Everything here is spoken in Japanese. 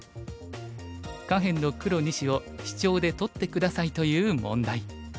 「下辺の黒２子をシチョウで取って下さい」という問題。